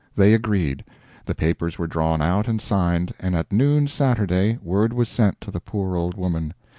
They agreed; the papers were drawn out and signed, and at noon, Saturday, word was sent to the poor old woman.